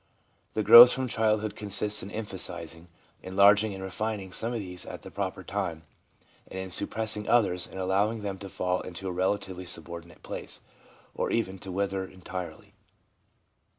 The growth from childhood consists in emphasising, enlarging and refining some of these at the proper time, and in suppressing others and allowing them to fall into a relatively subordinate place, or even to wither entirely.